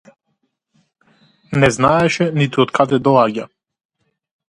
Не знаеше ниту од каде доаѓа.